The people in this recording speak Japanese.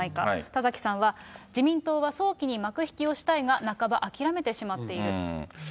田崎さんは、自民党は早期に幕引きをしたいが、半ば諦めてしまっている。